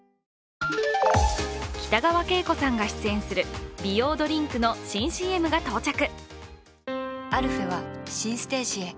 北川景子さんが出演する美容ドリンクの新ＣＭが到着。